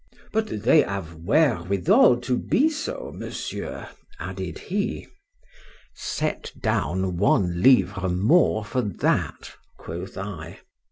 —But they have wherewithal to be so, Monsieur, added he.—Set down one livre more for that, quoth I.